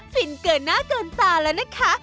ฟินเกินหน้าเกินตาแล้วนะคะ